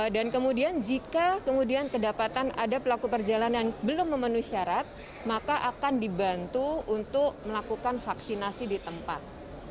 dan kemudian jika kedapatan ada pelaku perjalanan yang belum memenuhi syarat maka akan dibantu untuk melakukan vaksinasi di tempat